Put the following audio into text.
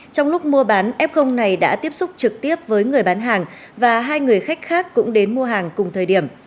trong lúc mua bán f này đã tiếp xúc trực tiếp với người bán hàng và hai người khách khác cũng đến mua hàng cùng thời điểm